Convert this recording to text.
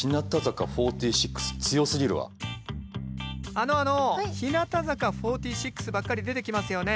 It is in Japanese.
あのあの日向坂４６ばっかり出てきますよね。